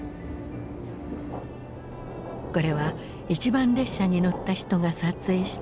これは一番列車に乗った人が撮影した